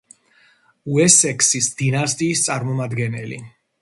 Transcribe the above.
უესექსის დინასტიის წარმომადგენელი.